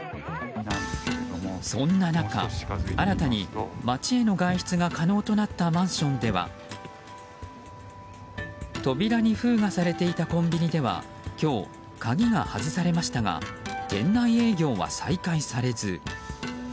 そんな中、新たに街への外出が可能となったマンションでは扉に封がされていたコンビニでは今日、鍵が外されましたが店内営業は再開されず。